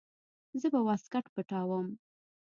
زه به واسکټ پټاووم.